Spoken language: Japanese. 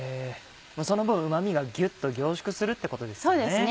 その分うまみがぎゅっと凝縮するってことですよね。